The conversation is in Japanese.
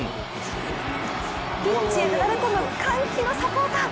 ピッチへなだれ込む笑顔のサポーター。